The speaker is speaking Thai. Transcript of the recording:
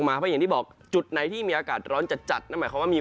คือพื้นที่สีเขียวที่คุณผู้ชมเห็นอยู่ตรงนี้